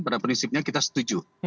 pada prinsipnya kita setuju